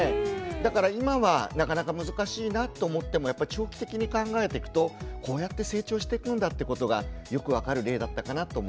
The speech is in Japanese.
だから今はなかなか難しいなと思ってもやっぱ長期的に考えてくとこうやって成長してくんだってことがよく分かる例だったかなと思います。